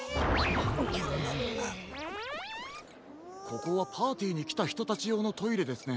ここはパーティーにきたひとたちようのトイレですね。